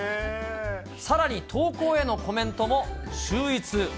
さらに投稿へのコメントも秀逸。